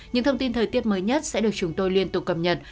những thông tin thời tiết mới nhất sẽ được chúng tôi liên tục cập nhật